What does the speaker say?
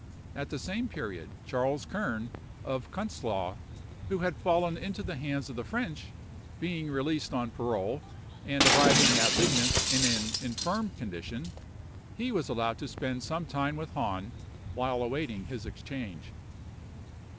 At the same period, Charles Kern, of Kuntzlau, who had fallen into the hands of the French, being released on parole, and arriving at Leignitz in an infirm condition, he was allowed to spend some time with Hahn, while awaiting his exchange.